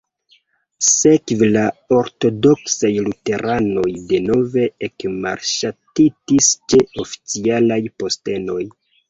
Sekve la ortodoksaj luteranoj denove ekmalŝatitis ĉe oficialaj postenoj.